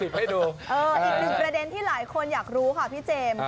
อีกหนึ่งประเด็นที่หลายคนอยากรู้ค่ะพี่เจมส์